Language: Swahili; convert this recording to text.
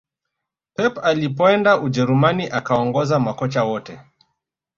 pep alipoenda ujerumani akaongoza makocha wote